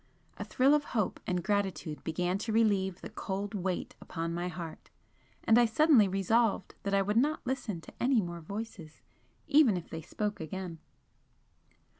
A thrill of hope and gratitude began to relieve the cold weight upon my heart, and I suddenly resolved that I would not listen to any more voices, even if they spoke again.